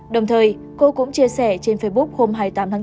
đồng thời cô cũng chia sẻ trên facebook hôm hai mươi tám tháng bốn